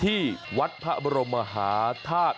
ที่วัดพระบรมมหาธาตุ